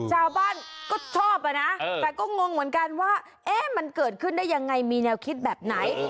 ชาวบ้านก็ชอบอะนะแต่ก็งงเหมือนกันว่ามันเกิดขึ้นได้ยังไงมีแนวคิดแบบไหน